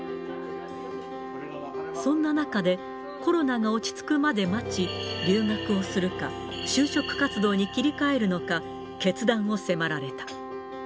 そんな中で、コロナが落ち着くまで待ち、留学をするか、就職活動に切り替えるのか、決断を迫られた。